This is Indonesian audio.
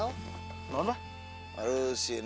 kenapa sih neng